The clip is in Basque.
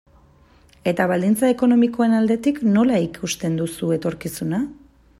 Eta baldintza ekonomikoen aldetik, nola ikusten duzu etorkizuna?